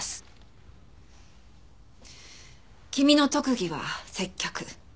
君の特技は接客。